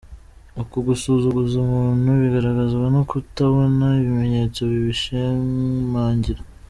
Uku gusuzuguza umuntu bigaragazwa no kutabona ibimenyetso bibishimangira.